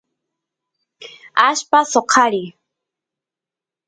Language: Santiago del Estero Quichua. allpa soqariy